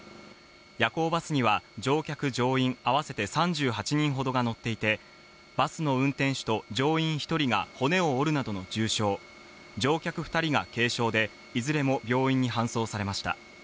夜行バスには乗客乗員、合わせて３８人ほどが乗っていて、バスの運転手と乗員１人が骨を折るなどの重傷、乗客２人が軽傷で、いずれも病院に搬送されました。